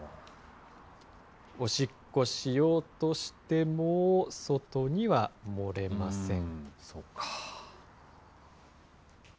おしっこしようとしても、外には漏れません。